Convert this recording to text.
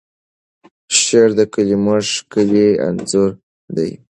شعر د کلیمو ښکلی انځور دی.